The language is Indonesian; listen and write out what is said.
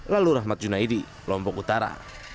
lalu rahmat junaidi lombok utara